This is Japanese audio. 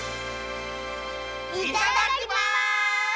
いただきます！